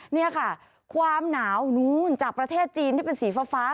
นี่ค่ะความหนาวนู้นจากประเทศจีนที่เป็นสีฟ้า